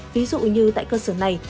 ví dụ như tại cơ sở này